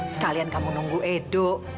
sekalian kamu nunggu edo